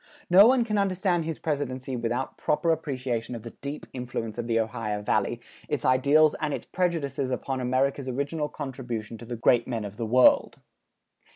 No one can understand his presidency without proper appreciation of the deep influence of the Ohio Valley, its ideals and its prejudices upon America's original contribution to the great men of the world.